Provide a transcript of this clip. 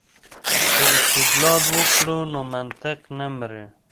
که استدلال وکړو نو منطق نه مري.